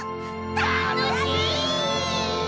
たのしい！